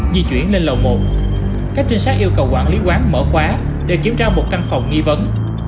di chuyển lên lầu một các trinh sát yêu cầu quản lý quán mở khóa để kiểm tra một căn phòng nghi vấn